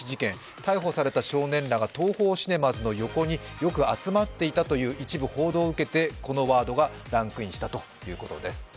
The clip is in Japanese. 逮捕された少年らがＴＯＨＯシネマズの横によく集まっていたという一部報道を受けて、このワードがランクインしたということです。